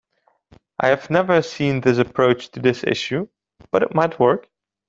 I have never seen this approach to this issue, but it might work.